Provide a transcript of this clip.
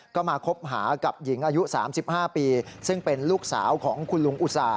ก็มาคบหากับหญิงอายุ๓๕ปีซึ่งเป็นลูกสาวของคุณลุงอุตส่าห